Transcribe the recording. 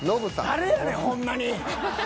誰やねんほんまに。